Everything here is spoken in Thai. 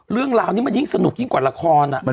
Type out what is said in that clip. เรื่องราวนี้มันยิ่งสนุกยิ่งกว่าละคร